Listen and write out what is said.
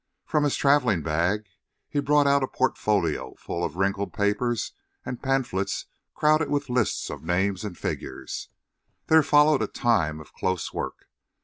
From his traveling bag he brought out a portfolio full of wrinkled papers and pamphlets crowded with lists of names and figures; there followed a time of close work.